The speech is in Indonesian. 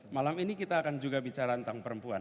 malam ini kita akan juga bicara tentang perempuan